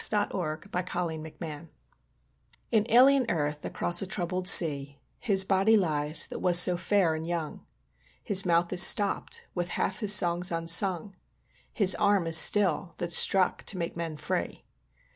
In Memory of Rupert Brooke In alien earth, across a troubled sea, His body lies that was so fair and young. His mouth is stopped, with half his songs unsung; His arm is still, that struck to make men free.